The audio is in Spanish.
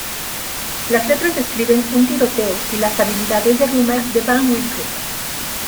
Las letras describen un tiroteo y las habilidades de rima de Van Winkle.